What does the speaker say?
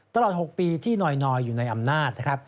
ตลอด๖ปีที่นอยอยู่ในอำนาจนะครับ